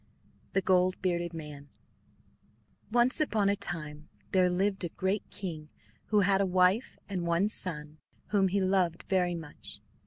] The Gold Bearded Man Once upon a time there lived a great king who had a wife and one son whom he loved very much.